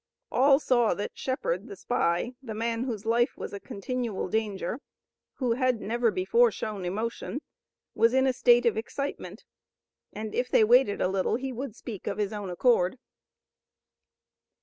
All saw that Shepard, the spy, the man whose life was a continual danger, who had never before shown emotion, was in a state of excitement, and if they waited a little he would speak of his own accord.